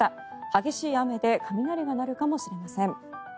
激しい雨で雷が鳴るかもしれません。